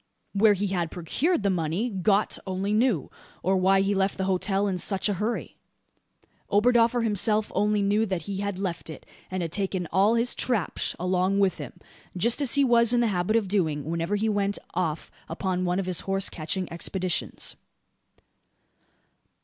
Where he had procured the money "Gott" only knew, or why he left the hotel in such a hurry. Oberdoffer himself only knew that he had left it, and taken all his `trapsh' along with him just as he was in the habit of doing, whenever he went off upon one of his horse catching expeditions.